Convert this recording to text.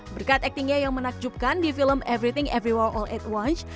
berkat aktingnya yang menakjubkan di film everything everywhere all at once